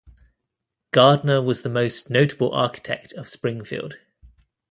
Gardner was the most notable architect of Springfield.